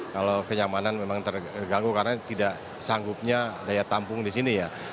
kalau kenyamanan memang terganggu karena tidak sanggupnya daya tampung di sini ya